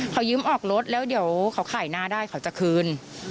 เขายืมออกรถแล้วเดี๋ยวเขาขายหน้าได้เขาจะคืน